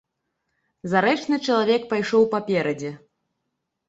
Зарэчны чалавек пайшоў паперадзе.